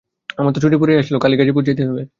আমার তো ছুটি ফুরাইয়া আসিল, কালই গাজিপুরে যাইতে হইবে।